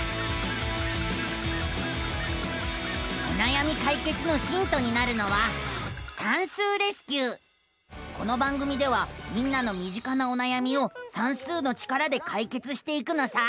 おなやみかいけつのヒントになるのはこの番組ではみんなのみ近なおなやみを算数の力でかいけつしていくのさ！